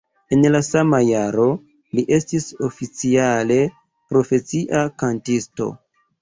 En la sama jaro li estis oficiale profesia kantisto.